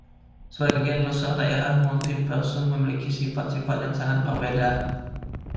Sebagian besar daerah multiversum memiliki sifat-sifat yang sangat berbeda.